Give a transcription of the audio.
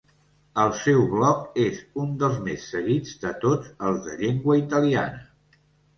El seu bloc és un dels més seguits de tots els de llengua italiana.